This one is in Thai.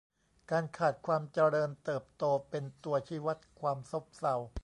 การขาดความเจริญเติบโตเป็นตัวชี้วัดความซบเซา